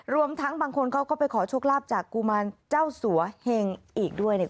รวมทั้งบางคนเขาก็ไปขอโชคลาภจากกุมารเจ้าสัวเหงอีกด้วยเนี่ย